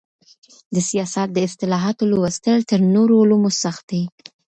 د سياست د اصطلاحاتو لوستل تر نورو علومو سخت دي.